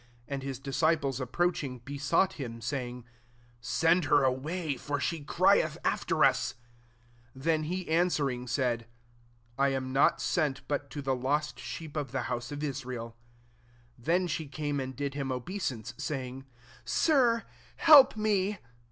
And his disciples approaching, besought him, saying, "Send her away, for she crieth after us.'' 24 Then he answering, said, «*I am not sent but to the lost sheep of the house of Israel.*' 25 Then she came and did him obeisance, saying, "Sir, help me.''